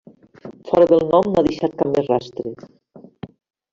Fora del nom no ha deixat cap més rastre.